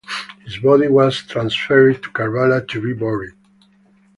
His body was transferred to Karbala to be buried.